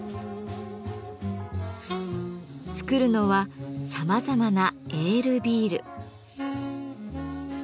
つくるのはさまざまな「エールビール」。